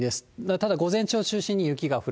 ただ、午前中を中心に雪が降る。